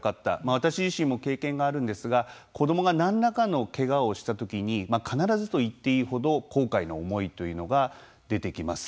私自身も経験があるんですが子どもが何らかのけがをしたときに必ずといっていいほど後悔の思いというのが出てきます。